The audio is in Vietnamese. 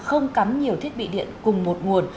không cắm nhiều thiết bị điện cùng một nguồn